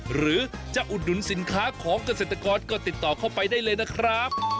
หรือจะอุดหนุนสินค้าของเกษตรกรก็ติดต่อเข้าไปได้เลยนะครับ